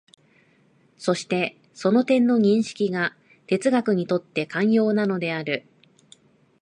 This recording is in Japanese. そしてその点の認識が哲学にとって肝要なのである。